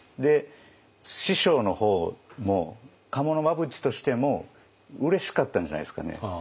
師匠の方も賀茂真淵としてもうれしかったんじゃないですかね。